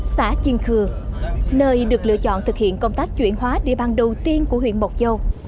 xã chiên khừa nơi được lựa chọn thực hiện công tác chuyển hóa địa bàn đầu tiên của huyện mộc châu